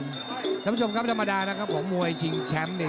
คุณผู้ชมครับธรรมดานะครับของมวยชิงแชมป์เนี่ย